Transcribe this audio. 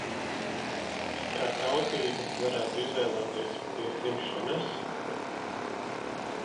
It kā tautību varētu izvēlēties pie dzimšanas.